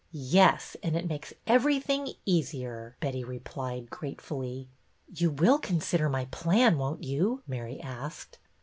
Yes, and it makes everything easier," Betty replied, gratefully. You will consider my plan, won't you?" Mary asked.